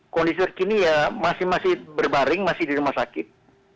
kondisi terkini ya masih masih berbaring masih di rumah sakit